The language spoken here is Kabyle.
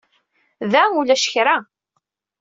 Da ulac kra.